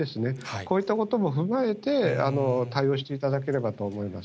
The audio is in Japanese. こういったことも踏まえて、対応していただければと思います。